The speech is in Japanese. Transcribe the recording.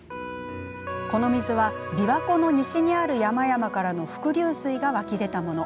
この水はびわ湖の西にある山々からの伏流水が湧き出たもの。